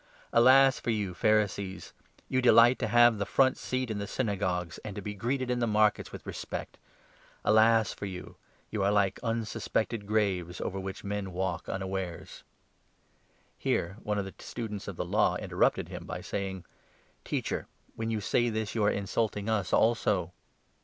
Alas for you Pharisees ! You delight to have the front seat in 43 the Synagogues, and to be greeted in the markets with respect. Alas for you ! You are like unsuspected graves, over which 44 men walk unawares." Here one of the Students of the Law interrupted him by saying : 45 " Teacher, when you say this, you are insulting us also."